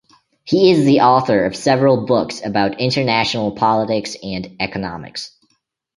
He is the author of several books about international politics and economics.